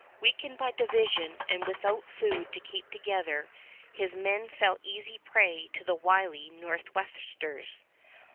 Weakened by division and without food to keep together, his men fell easy prey to the wily Nor'westers.